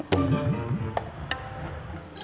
ada yang mau ngurusin